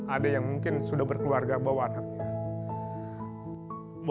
ada yang mungkin sudah berkeluarga bawa anaknya